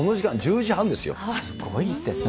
すごいですね。